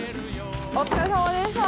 お疲れさまでした！